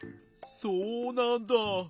そうなんだ。